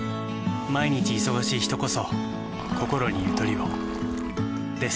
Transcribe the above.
毎日忙しい人こそこころにゆとりをです。